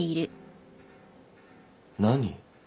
何。